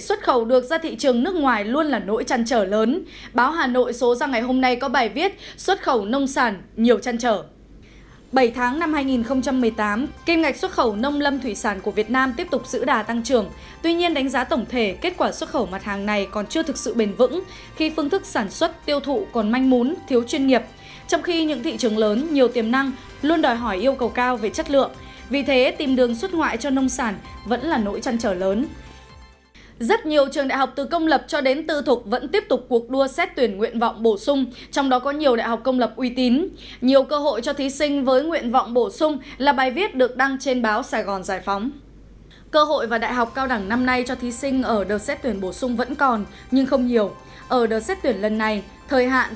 xin kính chào và hẹn gặp lại